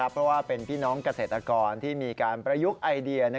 เพราะว่าเป็นพี่น้องเกษตรกรที่มีการประยุกต์ไอเดีย